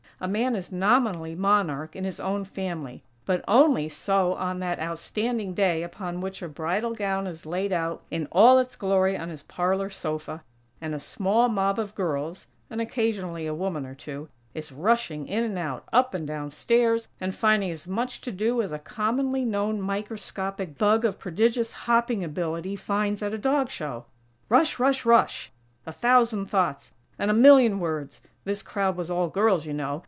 A man is nominally monarch in his own family; but only so on that outstanding day upon which a bridal gown is laid out in all its glory on his parlor sofa, and a small mob of girls, and occasionally a woman or two, is rushing in and out, up and down stairs, and finding as much to do as a commonly known microscopic "bug" of prodigious hopping ability finds at a dog show. Rush! rush! rush! A thousand thoughts and a million words, (this crowd was all girls, you know!)